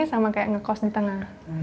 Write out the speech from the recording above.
sama kayak ngekos di tengah